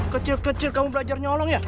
kecil kecil kamu belajar nyolong ya